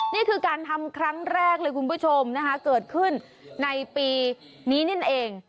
นี่คือการทำครั้งแรกเลยคุณผู้ชมนะคะเกิดขึ้นในปีนี้นั่นเอง